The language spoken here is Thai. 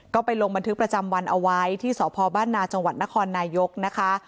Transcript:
ก็ไปลงบันทึกประจำวันเอาไว้ที่สพบนนนนนะครนายกนะคะ